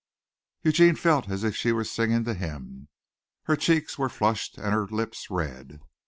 Eugene felt as if she were singing to him. Her cheeks were flushed and her lips red.